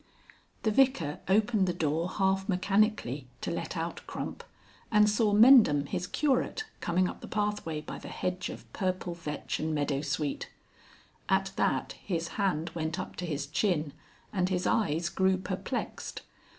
XV. The Vicar opened the door half mechanically to let out Crump, and saw Mendham, his curate, coming up the pathway by the hedge of purple vetch and meadowsweet. At that his hand went up to his chin and his eyes grew perplexed.